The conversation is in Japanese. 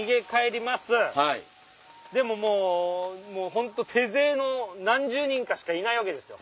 でももうホント手勢の何十人かしかいないわけですよ。